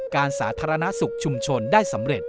สาธารณสุขชุมชนได้สำเร็จ